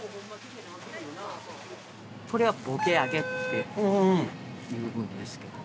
これは「ぼけあげ」っていうもんですけど。